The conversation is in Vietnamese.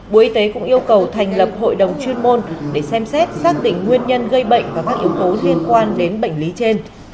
bộ y tế cũng yêu cầu thành lập hội đồng chuyên môn để xem xét xác định nguyên nhân gây bệnh và các yếu tố liên quan đến bệnh lý trên